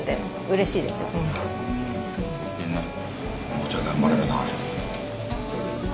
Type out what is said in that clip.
もうちょい頑張れるな。